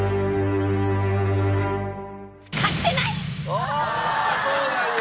ああそうなんや。